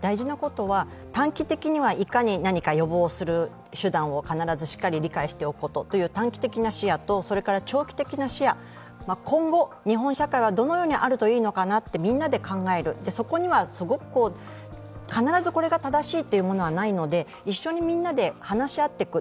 大事なことは短期的にはいかに何か予防する手段を必ずしっかり理解しておくことという短期的な視野と、それから、長期的な視野今後、日本社会はどのようにあるといいのかなということをみんなで考える、そこには必ずこれが正しいというものはないので一緒にみんなで話し合っていく。